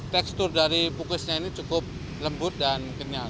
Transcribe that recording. tekstur dari pukusnya ini cukup lembut dan kenyal